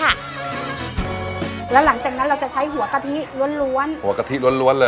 แล้วหลังจากนั้นเราจะใช้หัวกะทิล้วนล้วนหัวกะทิล้วนเลย